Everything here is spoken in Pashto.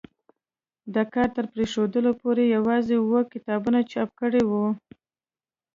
د کار تر پرېښودو پورې یوازې اووه کتابونه چاپ کړي وو.